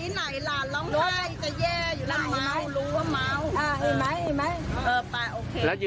นี่แหละค่ะ